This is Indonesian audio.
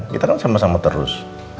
kita kan sama sama terus